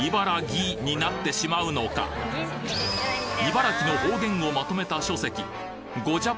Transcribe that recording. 茨城の方言をまとめた書籍